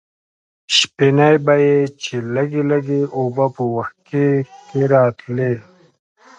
شپېنۍ به یې چې لږې لږې اوبه په وښکي کې راتلې.